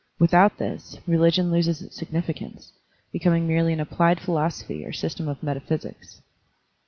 Without this, religion loses its significance, becoming merely an applied philosophy or system of metaphysics.